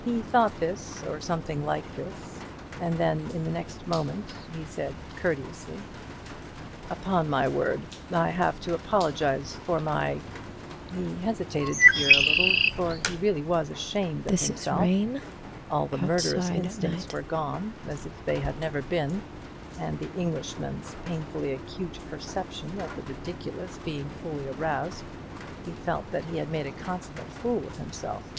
He thought this, or something like this, and then in the next moment he said courteously: "Upon my word, I have to apologize for my " he hesitated a little here, for he really was ashamed of himself; all the murderous instincts were gone, as if they had never been, and the Englishman's painfully acute perception of the ridiculous being fully aroused, he felt that he had made a consummate fool of himself.